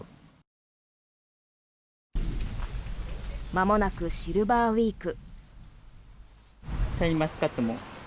まもなくシルバーウィーク。